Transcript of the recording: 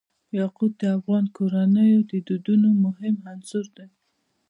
یاقوت د افغان کورنیو د دودونو مهم عنصر دی.